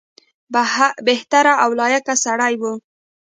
بهتر او لایق سړی وو.